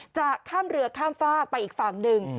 จะข้ามเรือข้ามฝากไปอีกฝั่งหนึ่ง